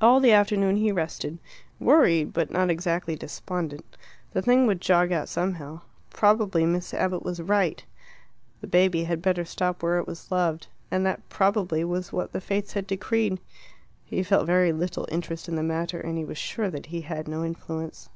All the afternoon he rested worried, but not exactly despondent. The thing would jog out somehow. Probably Miss Abbott was right. The baby had better stop where it was loved. And that, probably, was what the fates had decreed. He felt little interest in the matter, and he was sure that he had no influence.